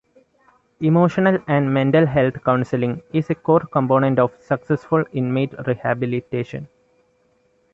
Emotional and mental health counseling is a core component of successful inmate rehabilitation.